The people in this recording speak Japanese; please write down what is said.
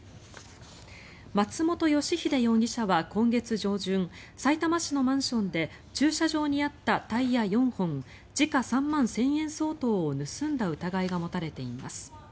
松本吉秀容疑者は今月上旬さいたま市のマンションで駐車場にあったタイヤ４本時価３万１０００円相当を盗んだ疑いが持たれています。